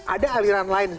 ada aliran lain